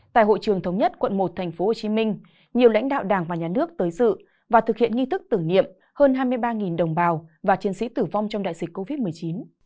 tại hội trường thống nhất quận một tp hcm nhiều lãnh đạo đảng và nhà nước tới dự và thực hiện nghi thức tưởng niệm hơn hai mươi ba đồng bào và chiến sĩ tử vong trong đại dịch covid một mươi chín